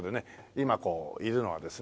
今いるのはですね